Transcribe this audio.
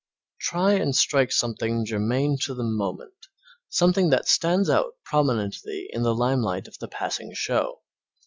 Try and strike something germane to the moment, something that stands out prominently in the limelight of the passing show.